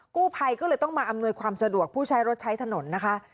กู้ภัยก็เลยต้องมาอำนวยความสะดวกผู้ใช้รถใช้ถนนนะคะ